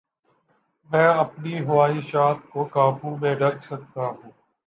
میں اپنی خواہشات کو قابو میں رکھ سکتا ہوں